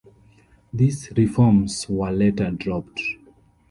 These reforms were later dropped.